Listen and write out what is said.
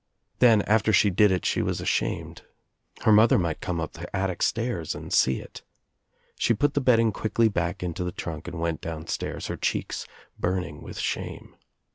Then after she did it she was ashamed. Her mother might come up the attic stairs and see it. She put the bedding quickly back into the trunk and went down stairs, her cheeks burning with shame.